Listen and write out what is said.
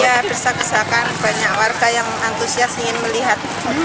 ya desak desakan banyak warga yang antusias ingin melihat